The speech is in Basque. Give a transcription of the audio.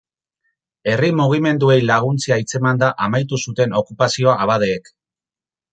Herri mugimenduei laguntzea hitzemanda amaitu zuten okupazioa abadeek.